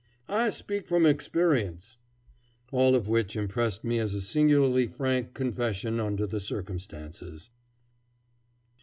I speak from experience." All of which impressed me as a singularly frank confession under the circumstances.